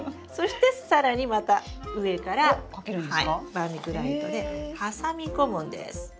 バーミキュライトで挟み込むんです。